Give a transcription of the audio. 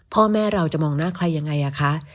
พ่อแม่เราจะมองหน้าใครยังไงคะ